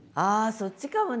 そっちかもね。